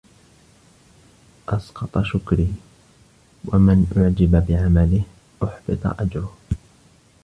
أَسْقَطَ شُكْرِهِ ، وَمَنْ أُعْجِبَ بِعَمَلِهِ أُحْبِطَ أَجْرُهُ